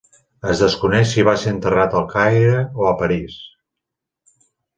Es desconeix si va ser enterrat al Caire o a París.